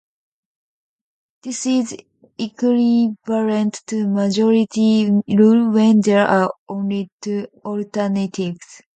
This is equivalent to majority rule when there are only two alternatives.